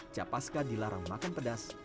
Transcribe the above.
capaskan dilarang makan pedas